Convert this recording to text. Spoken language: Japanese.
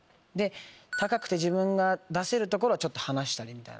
高くて自分が出せる所はちょっと離したりみたいな。